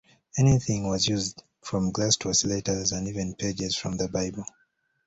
Anything was used - from glass to oscillators and even pages from the Bible.